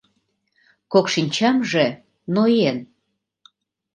Кок шинчамже ноен.